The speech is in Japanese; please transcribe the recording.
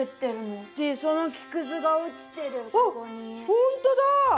ほんとだ。